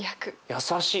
優しい。